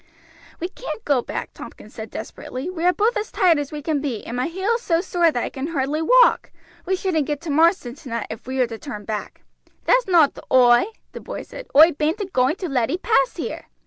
"We can't go back," Tompkins said desperately, "we are both as tired as we can be, and my heel is so sore that I can hardly walk. We shouldn't get to Marsden tonight if we were to turn back." "That's nowt to oi," the boy said. "Oi bain't a going to let ee pass here."